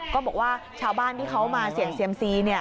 บอกว่าชาวบ้านที่เขามาเสี่ยงเซียมซี